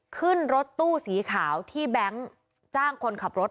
ขึ้นรถตู้สีขาวที่แบงค์จ้างคนขับรถ